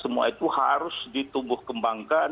semua itu harus ditumbuh kembangkan